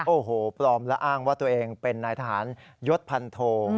โอ้โหปลอมและอ้างว่าตัวเองเป็นนายทหารยศพันโท